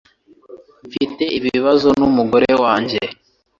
Mfite ibibazo numugore wanjye